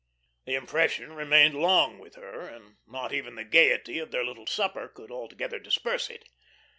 The impression remained long with her, and not even the gaiety of their little supper could altogether disperse it.